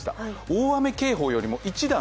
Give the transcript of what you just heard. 大雨警報よりも一段